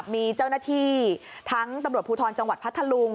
มีเจ้าหน้าที่ทั้งตำรวจภูทรจังหวัดพัทธลุง